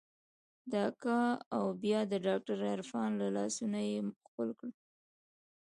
د اکا او بيا د ډاکتر عرفان لاسونه مې ښکل کړل.